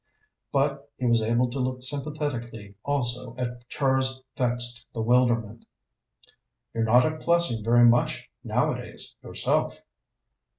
But he was able to look sympathetically also at Char's vexed bewilderment. "You're not at Plessing very much, nowadays, yourself."